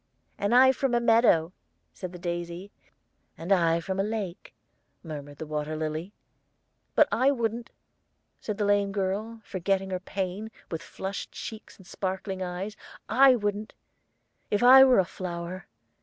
"And I from a meadow," said the daisy. "And I from a lake," murmured the water lily. "But I wouldn't," said the lame girl, forgetting her pain, with flushed cheeks and sparkling eyes "I wouldn't, if I were a flower.